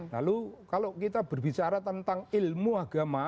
lalu kalau kita berbicara tentang ilmu agama